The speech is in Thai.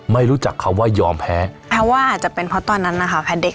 ไม่รู้จักคำว่ายอมแพ้แปลว่าอาจจะเป็นเพราะตอนนั้นนะคะแพ้เด็ก